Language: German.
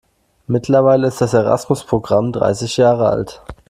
Mittlerweile ist das Erasmus-Programm dreißig Jahre alt.